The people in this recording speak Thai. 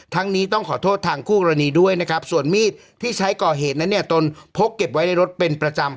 นี้ต้องขอโทษทางคู่กรณีด้วยนะครับส่วนมีดที่ใช้ก่อเหตุนั้นเนี่ยตนพกเก็บไว้ในรถเป็นประจำ